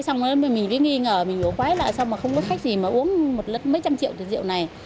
xong rồi mình mới nghi ngờ mình uống quái lại không có khách gì mà uống mấy trăm triệu rượu này